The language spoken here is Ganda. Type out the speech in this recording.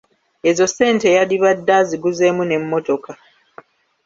Ezo ssente yadibadde aziguzeemu n'emmotoka"